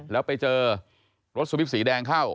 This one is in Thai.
แล้วไปเจอรถสวิปสีแดงเข้า